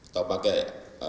atau pakai euro